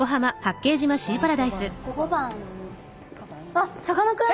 あさかなクン。